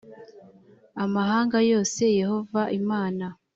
amahanga yose yehova imana